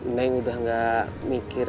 neng udah gak mikir